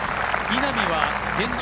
稲見は現状